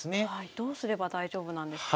どうすれば大丈夫なんですか？